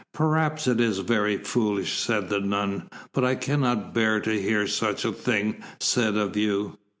"Perhaps it is very foolish," said the nun, "but I cannot bear to hear such a thing said of you."